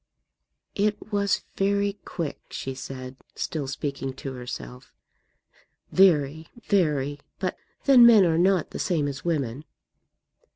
"It was very quick," she said, still speaking to herself; "very, very. But then men are not the same as women."